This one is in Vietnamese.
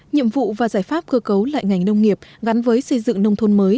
nhiệm vụ và giải pháp cơ cấu lại ngành nông nghiệp gắn với xây dựng nông thôn mới